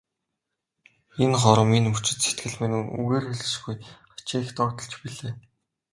Энэ хором, энэ мөчид сэтгэл минь үгээр хэлшгүй хачин их догдолж билээ.